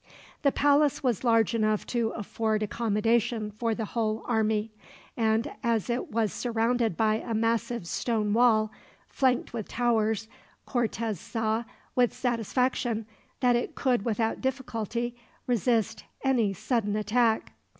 The palace was large enough to afford accommodation for the whole army; and as it was surrounded by a massive stone wall, flanked with towers, Cortez saw, with satisfaction, that it could without difficulty resist any sudden attack.